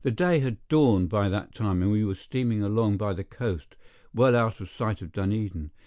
Day had dawned by that time, and we were steaming along by the coast, well out of sight of Dunedin.